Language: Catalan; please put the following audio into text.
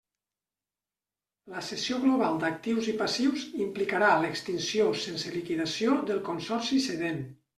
La cessió global d'actius i passius implicarà l'extinció sense liquidació del consorci cedent.